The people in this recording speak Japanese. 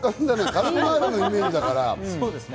カルボナーラのイメージだから。